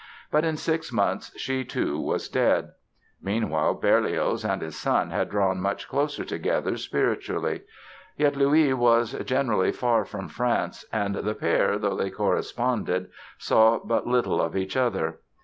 But in six months she, too, was dead. Meanwhile Berlioz and his son had drawn much closer together, spiritually. Yet Louis was generally far from France and the pair, though they corresponded, saw but little of each other.